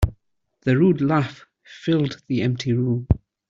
The rude laugh filled the empty room.